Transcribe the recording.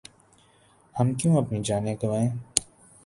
ہم کیوں اپنی جانیں گنوائیں ۔